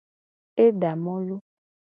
E da molu.